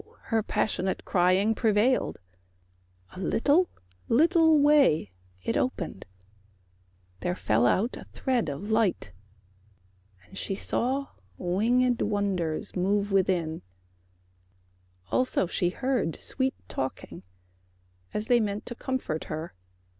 her passionate Crying prevailed. A little little way It opened: there fell out a thread of light, And she saw wingèd wonders move within; Also she heard sweet talking as they meant To comfort her.